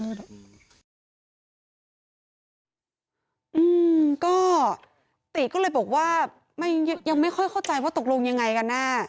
อืมก็ติก็เลยบอกว่ายังไม่ค่อยเข้าใจว่าตกลงยังไงกันแน่